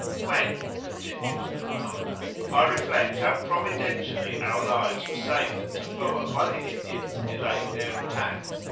'When,' continues the commander, 'I reflect how providentially our lives were saved at Tofoa, by the Indians delaying their attack?